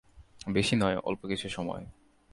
বেশি নয়, অল্প কিছু সময়।